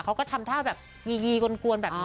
เขาก็ทำท่าแบบยีกวนแบบนี้